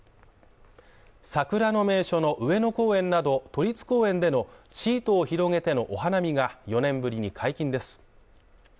桜の名所の上野公園など都立公園でのシートを広げてのお花見が４年ぶりに解禁です。